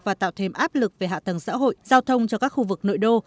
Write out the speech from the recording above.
và tạo thêm áp lực về hạ tầng xã hội giao thông cho các khu vực nội đô